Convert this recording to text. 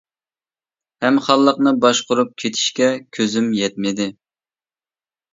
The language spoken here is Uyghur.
ھەم خانلىقنى باشقۇرۇپ كېتىشكە كۆزۈم يەتمىدى.